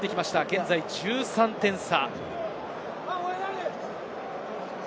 現在１３点差。